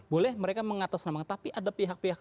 boleh mereka mengatas nama tapi ada pihak pihak